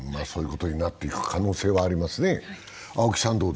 そういうことになっていく可能性はありますね。